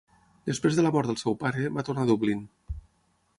Després de la mort del seu pare, va tornar a Dublín.